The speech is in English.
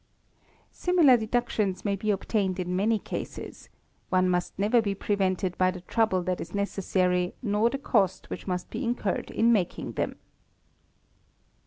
Similar deductions may be obtained in many cases; one must never be prevented by the trouble that is necessary nor the cost which must be incurred in making them.